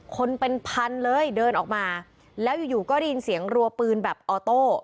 คนเป็นพันเลยเดินออกมาแล้วอยู่อยู่ก็ได้ยินเสียงรัวปืนแบบออโต้